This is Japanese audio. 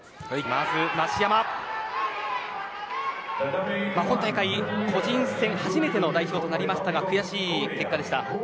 まず増山今大会個人戦初めての代表となりましたが悔しい結果でした。